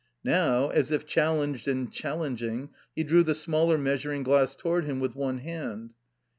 Now, as if challenged and challeng ing, he drew the smaller meastuing glass toward him with one hand.